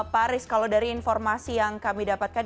pak aris kalau dari informasi yang kami dapatkan